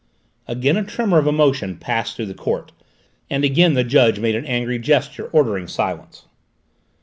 Again a tremor of emotion passed through the court, and again the judge made an angry gesture ordering silence.